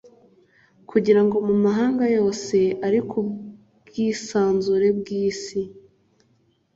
kugira ngo mu mahanga yose ari ku bwisanzure bw’isi,